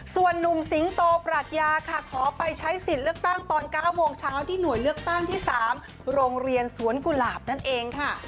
ส่วนนุ่มสิงโตปรัชญาค่ะขอไปใช้สิทธิ์เลือกตั้งตอน๙โมงเช้าที่หน่วยเลือกตั้งที่๓โรงเรียนสวนกุหลาบนั่นเองค่ะ